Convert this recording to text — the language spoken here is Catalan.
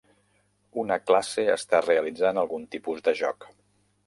Una classe està realitzant algun tipus de joc.